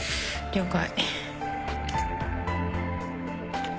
了解。